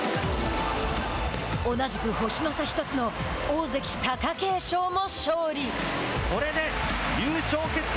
同じく、星の差１つの大関・貴景勝も勝利。